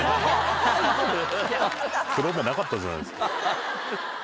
黒目なかったじゃないですか。